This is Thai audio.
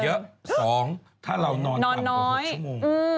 ใช้อินเทอร์เนทเยอะ๒ถ้านอนกว่า๖ชั่วโมง